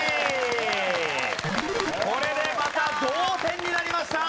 これでまた同点になりました！